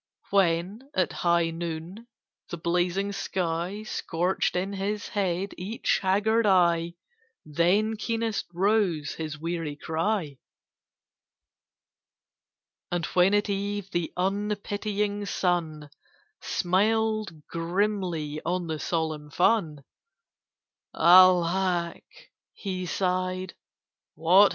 When, at high Noon, the blazing sky Scorched in his head each haggard eye, Then keenest rose his weary cry. And when at Eve the unpitying sun Smiled grimly on the solemn fun, "Alack," he sighed, "what have I done?"